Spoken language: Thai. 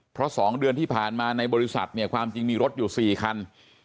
เพราะ๒เดือนที่ผ่านมาในบริษัทเนี่ยความจริงมีรถอยู่๔คัน